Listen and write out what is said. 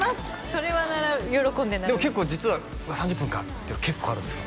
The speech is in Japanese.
それは喜んで並ぶでも結構実は「うわ３０分か」っていうのはあるんですか？